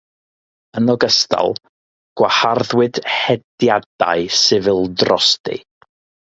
Yn ogystal, gwaharddwyd hediadau sifil drosti.